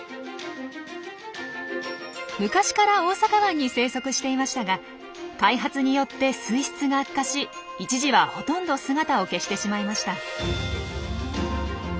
昔から大阪湾に生息していましたが開発によって水質が悪化し一時はほとんど姿を消してしまいました。